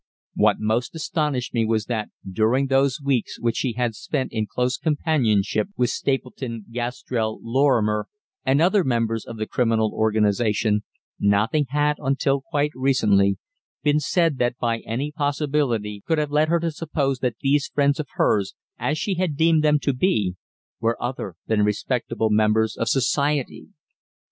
What most astonished me was that, during those weeks which she had spent in close companionship with Stapleton, Gastrell, Lorrimer, and other members of the criminal organization, nothing had, until quite recently, been said that by any possibility could have led her to suppose that these friends of hers, as she had deemed them to be, were other than respectable members of society.